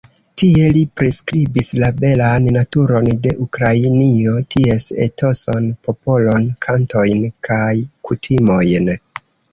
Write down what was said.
Tie li priskribis la belan naturon de Ukrainio, ties etoson, popolon, kantojn kaj kutimojn.